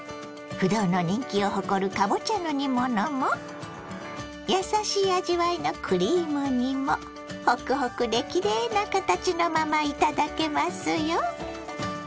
不動の人気を誇るかぼちゃの煮物もやさしい味わいのクリーム煮もホクホクできれいな形のまま頂けますよ。